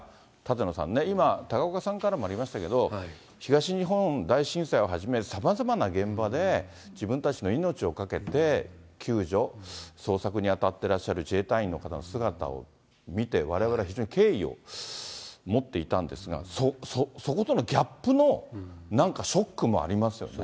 舘野さんね、今、高岡さんからもありましたけども、東日本大震災をはじめ、さまざまな現場で、自分たちの命を懸けて、救助、捜索に当たってらっしゃる自衛隊員の方の姿を見て、われわれは非常に敬意を持っていたんですが、そことのギャップの、そうですね。